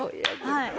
はい。